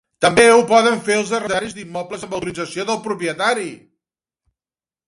També ho poden fer els arrendataris d’immobles amb autorització del propietari.